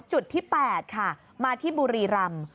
จุดที่๘ค่ะมาที่บุรีรำ